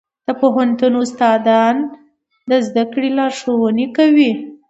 د پوهنتون استادان د زده کړې لارښوونه کوي.